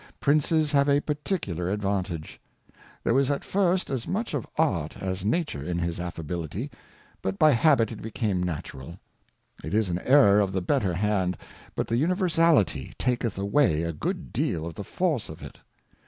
Princes have a particular Advantage. There was at first as much of Art as Nature in his Affability, but by Habit it became Natural. It is an Error of the better hand, but the Universality taketh away a good deal of the Force of it.